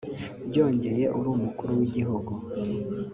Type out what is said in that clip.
byongeye uri umukuru w’igihugu